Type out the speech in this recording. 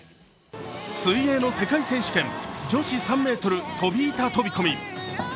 水泳の世界選手権女子３ｍ飛び板飛び込み。